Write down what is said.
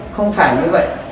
không phải như vậy